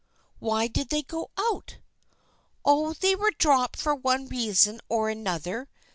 " Why did they go out ?"" Oh, they were dropped for one reason or an other.